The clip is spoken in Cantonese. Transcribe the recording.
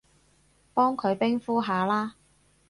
幫佢冰敷下啦